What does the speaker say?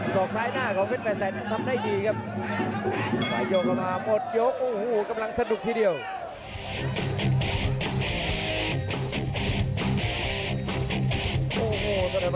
ส่องซายหน้าของเม็ดแปดแสนทำได้ดีครับ